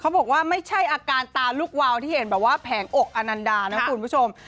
บอกว่าไม่ใช่อาการตาลูกวาวที่เห็นแบบว่าแผงอกอนันดานะคุณผู้ชม